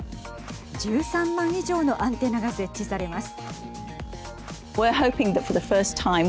１３万以上のアンテナが設置されます。